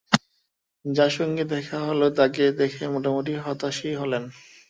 যাঁর সঙ্গে দেখা হল তাকে দেখে মোটামুটি হতাশই হলেন।